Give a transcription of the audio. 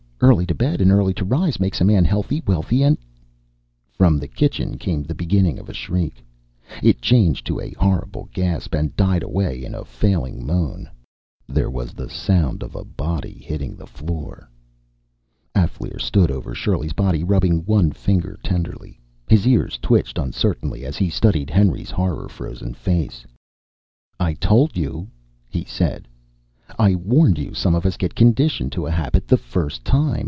Early to bed and early to rise, makes a man healthy, wealthy and " From the kitchen came the beginning of a shriek. It changed to a horrible gasp, and died away in a failing moan. There was the sound of a body hitting the floor. Alféar stood over Shirley's body, rubbing one finger tenderly. His ears twitched uncertainly as he studied Henry's horror frozen face. "I told you," he said. "I warned you some of us get conditioned to a habit the first time.